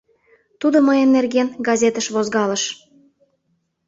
Тудо мыйын нерген газетыш возгалыш.